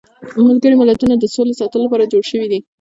ملګري ملتونه د سولې ساتلو لپاره جوړ شویدي.